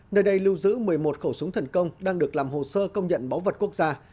nơi đây lưu giữ một mươi một khẩu súng thần công đang được làm hồ sơ công nhận báu vật quốc gia